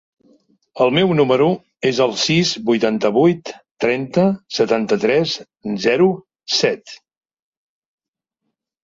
El meu número es el sis, vuitanta-vuit, trenta, setanta-tres, zero, set.